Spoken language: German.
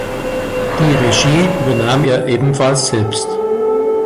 Die Regie übernahm er ebenfalls selbst.